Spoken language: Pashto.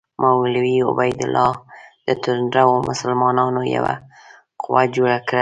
مولوي عبیدالله د توندرو مسلمانانو یوه قوه جوړه کړه.